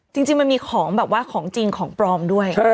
จริงมันมีของแบบว่าของจริงของปลอมด้วย